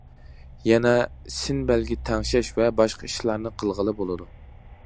يەنە سىنبەلگە تەڭشەش ۋە باشقا ئىشلارنى قىلغىلى بولىدۇ.